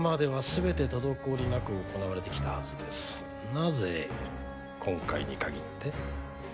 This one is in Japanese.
なぜ今回に限って？